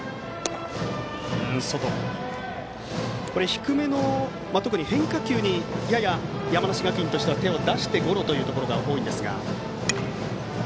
低めの特に変化球にやや山梨学院としては手を出してゴロということが多いんですが。